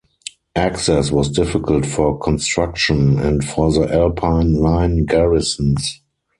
Access was difficult for construction and for the Alpine Line garrisons.